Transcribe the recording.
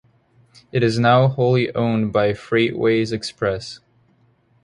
It is now wholly owned by Freightways Express.